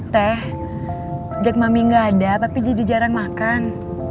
teh sejak mami gak ada tapi jadi jarang makan